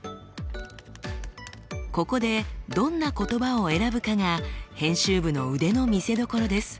ここでどんな言葉を選ぶかが編集部の腕の見せどころです。